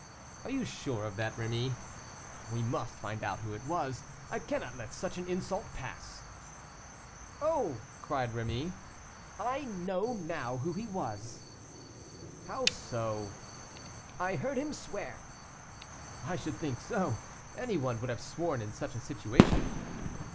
"Are you sure of that, Rémy? We must find out who it was; I cannot let such an insult pass." "Oh!" cried Rémy, "I know now who he was." "How so?" "I heard him swear." "I should think so; any one would have sworn in such a situation."